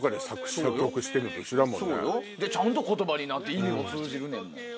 ちゃんと言葉になって意味も通じるねんもん。